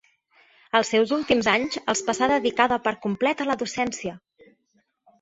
Els seus últims anys els passà dedicada per complet a la docència.